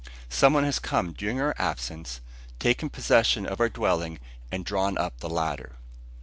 Some one has come during our absence, taken possession of our dwelling and drawn up the ladder."